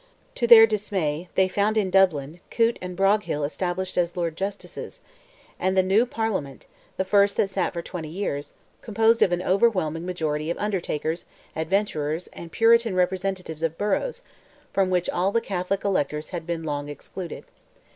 To their dismay, they found in Dublin, Coote and Broghill established as Lords Justices, and the new Parliament—the first that sat for twenty years—composed of an overwhelming majority of Undertakers, adventurers, and Puritan representatives of boroughs, from which all the Catholic electors had been long excluded.